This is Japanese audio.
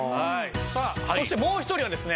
さあそしてもう一人はですね